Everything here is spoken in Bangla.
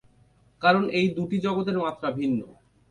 কারণ এই দুটি জগতের মাত্রা ভিন্ন।